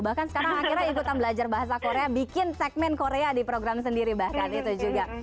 bahkan sekarang akhirnya ikutan belajar bahasa korea bikin segmen korea di program sendiri bahkan itu juga